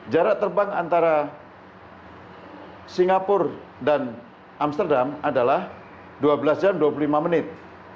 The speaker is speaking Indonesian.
jarak terbang antara singapura dan amsterdam adalah dua belas jam dua puluh lima menit